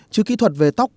chứ kỹ thuật về tóc